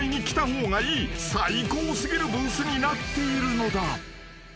［最高過ぎるブースになっているのだ］